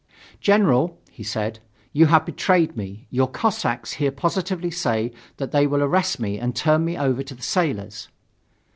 "General," said he, "you have betrayed me your Cossacks here positively say that they will arrest me and turn me over to the sailors."